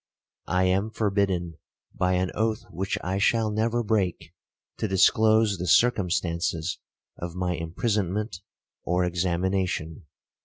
I am forbidden, by an oath which I shall never break, to disclose the circumstances of my imprisonment or examination.